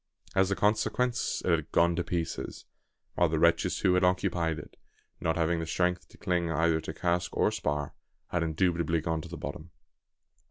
As a consequence it had gone to pieces; while the wretches who had occupied it, not having the strength to cling either to cask or spar, had indubitably gone to the bottom.